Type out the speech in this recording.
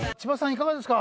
いかがですか？